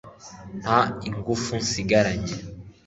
nta ingufu nsigaranye